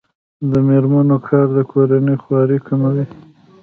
د میرمنو کار د کورنۍ خوارۍ کموي.